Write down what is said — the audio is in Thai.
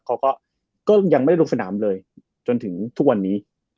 เขาก็ยังไม่ได้ลงสนามเลยจนถึงทุกวันนี้